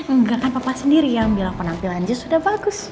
enggak kan papa sendiri yang bilang penampilan dia sudah bagus